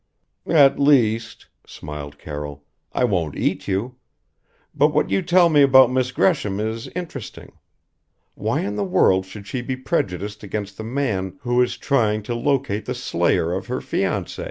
"At least," smiled Carroll, "I won't eat you. But what you tell me about Miss Gresham is interesting. Why in the world should she be prejudiced against the man who is trying to locate the slayer of her fiancé?"